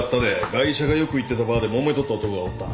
ガイ者がよく行ってたバーでもめとった男がおった。